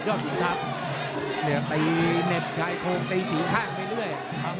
จอดขุมทัพเน็บใช้โค้งตีสีข้างไปด้วย